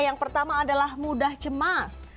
yang pertama adalah mudah cemas